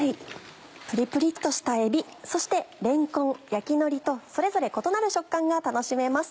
プリプリっとしたえびそしてれんこん焼きのりとそれぞれ異なる食感が楽しめます。